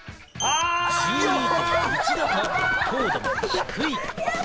１２．１度と糖度も低い。